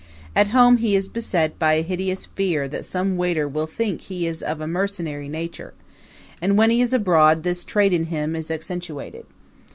At home he is beset by a hideous fear that some waiter will think he is of a mercenary nature; and when he is abroad this trait in him is accentuated.